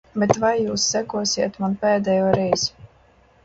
Bet vai jūs sekosiet man pēdējo reizi?